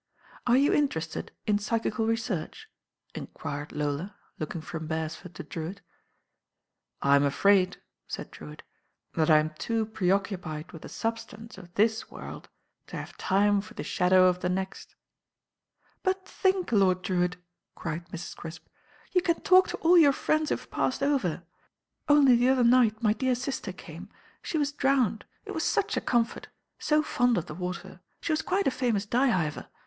"Are you interested in psychical research?" enquired Lola, looking from Beresford to Drewitt. I m afraid," said Drewitt, "that I'm too pre occupied with the substance of this world to have time for the shadow of the next." ^^ "But think. Lord Drewitt." cried Mrs. Crisp, you can talk to all your friends who have passed over. Only the other night my dear sister came. THE RAIN OIRI She WM drowned. It wm roch ■ comfort. So fond of the water. She wai quite a famous digh hiver.